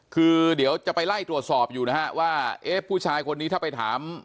คือเดี๋ยวจะไปไล่ตรวจสอบอยู่นะฮะว่าเอ๊ะผู้ชายคนนี้ถ้าไปถาม